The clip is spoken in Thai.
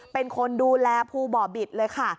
เป็นคนดูแลภูบ่อบิตเลยค่ะ